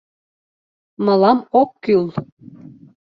Мылам ок кӱл.